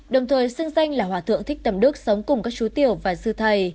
đồng thời xưng danh là hòa thượng thích tầm đức sống cùng các chú tiểu